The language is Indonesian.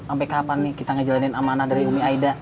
sampai kapan nih kita ngejalanin amanah dari umi aida